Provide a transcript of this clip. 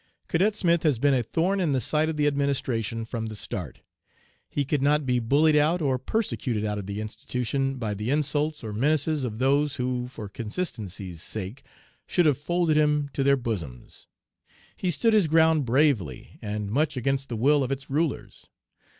"Cadet Smith has been a thorn in the side of the Administration from the start. He could not be bullied out or persecuted out of the institution by the insults or menaces of those who, for consistency's sake, should have folded him to their bosoms. He stood his ground bravely, and much against the will of its rulers.